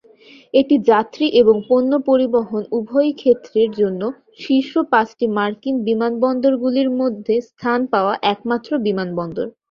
এটি যাত্রী এবং পণ্য পরিবহন উভয়ই ক্ষেত্রের জন্য শীর্ষ পাঁচটি মার্কিন বিমানবন্দরগুলির মধ্যে স্থান পাওয়া একমাত্র বিমানবন্দর।